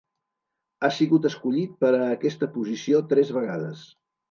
Ha sigut escollit per a aquesta posició tres vegades.